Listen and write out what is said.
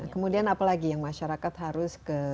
kemudian apalagi yang masyarakat harus ke